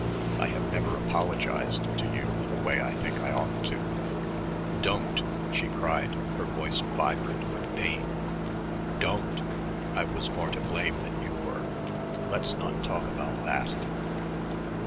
I have never apologized to you the way I think I ought to." "Don't!" she cried, her voice vibrant with pain. "Don't! I was more to blame than you were. Let's not talk about that."